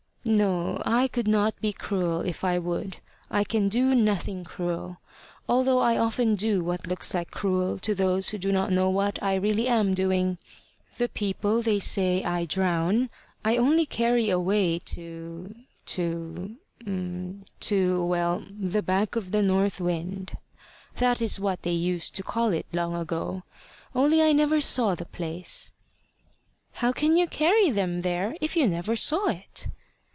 "No; I could not be cruel if I would. I can do nothing cruel, although I often do what looks like cruel to those who do not know what I really am doing. The people they say I drown, I only carry away to to to well, the back of the North Wind that is what they used to call it long ago, only I never saw the place." "How can you carry them there if you never saw it?"